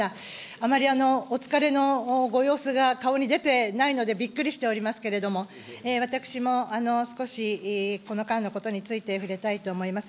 あまりお疲れのご様子が顔に出てないので、びっくりしておりますけれども、私も少しこの間のことについて、触れたいと思います。